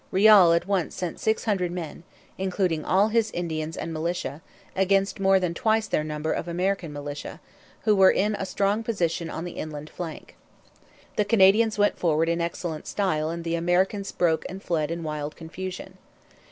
Riall at once sent six hundred men, including all his Indians and militia, against more than twice their number of American militia, who were in a strong position on the inland flank. The Canadians went forward in excellent style and the Americans broke and fled in wild confusion.